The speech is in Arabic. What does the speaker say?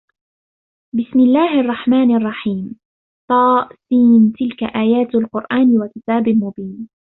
بِسْمِ اللَّهِ الرَّحْمَنِ الرَّحِيمِ طس تِلْكَ آيَاتُ الْقُرْآنِ وَكِتَابٍ مُبِينٍ